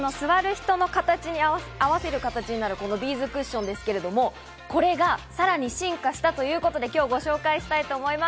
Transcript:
座る人の形に合わせる形になる、このビーズクッションですけれども、これがさらに進化したということで、今日、ご紹介したいと思います。